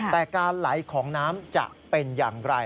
แต่การไหลของน้ำจะเป็นอย่างไร